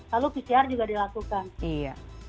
lalu pcr juga dilakukan